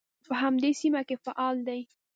په همدې سیمه کې فعال دی.